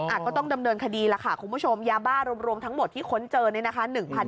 ก็ต้องดำเนินคดีล่ะค่ะคุณผู้ชมยาบ้ารวมทั้งหมดที่ค้นเจอเนี่ยนะคะ